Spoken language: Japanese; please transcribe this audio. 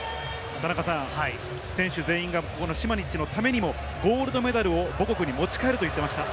田中さん、選手全員がこのシマニッチのためにもゴールドメダルを母国に持ち帰ると言っていました。